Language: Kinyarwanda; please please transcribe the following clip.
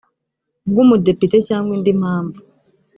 bw umudepite cyangwa indi mpamvu